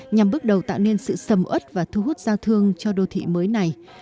nhằm bước đầu tạo nên sự sầm ớt và thu hút giao thương cho đô thị mới này